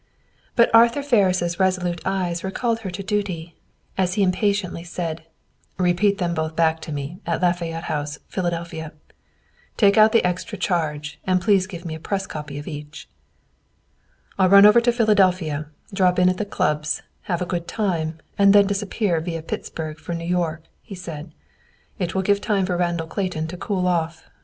But Arthur Ferris' resolute eyes recalled her to duty, as he impatiently said, "Repeat them both back to me, at Lafayette House, Philadelphia. Take out the extra charge, and please give me a press copy of each." "I'll run over to Philadelphia, drop in at the clubs, have a good time, and then disappear via Pittsburgh 'for New York,'" he said. "It will give time for Randall Clayton to cool off.